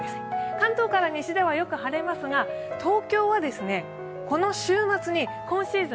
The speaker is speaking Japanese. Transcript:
関東から西ではよく晴れますが、東京はこのこの週末に今シーズン